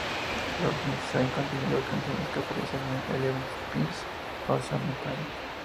Lost in Sane contiene dos canciones que aparecieron en "Eleven Pieces of Something".